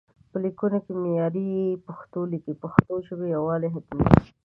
په ليکونو کې معياري پښتو ليکئ، د پښتو ژبې يووالي حتمي دی